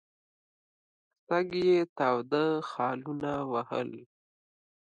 سږ یې تاوده خالونه ووهل.